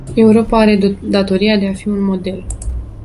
Europa are datoria de a fi un model.